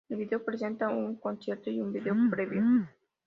El video presenta un concierto y un video previo.